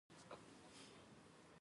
ښار زموږ لوی کور دی.